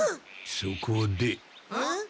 そこで。